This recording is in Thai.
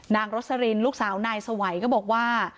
รสลินลูกสาวนายสวัยก็บอกว่า